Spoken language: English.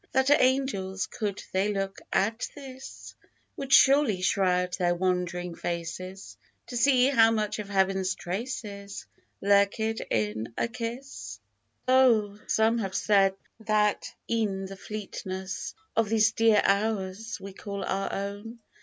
That Angels (could they look at this) Would surely shroud their wond'ring faces To see how much of Heaven's traces Lurk'd in a kiss ! Oh ! some have said that e'en the fleetness Of these dear hours we call our own.